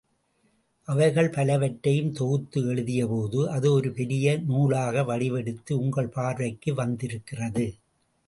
அவைகள் பலவற்றையும் தொகுத்து எழுதியபோது அது ஒரு பெரிய நூலாக வடிவெடுத்து உங்கள் பார்வைக்கு வந்திருக்கிறது.